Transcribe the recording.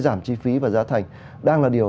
giảm chi phí và giá thành đang là điều